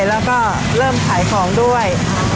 แล้วก็เริ่มขายของด้วย